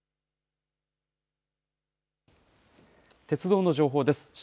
鉄道の情報です。